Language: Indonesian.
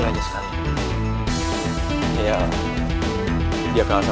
naga gitu lebih strategies gitu aja